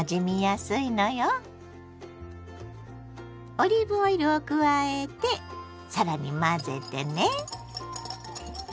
オリーブオイルを加えて更に混ぜてね。